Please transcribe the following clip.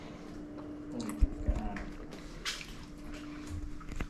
Oli pitkä äänettömyys.